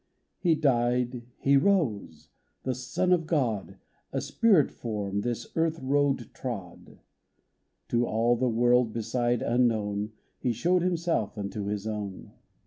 He died, He rose : the Son of God, A spirit form, this earth road trod. To all the world beside unknown, He showed himself unto His own.